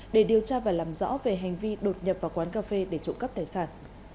để điều tra và làm rõ về hành vi đột nhập vào quán cà phê để trộm cắp tài sản